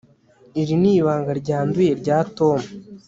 iri ni ibanga ryanduye rya tom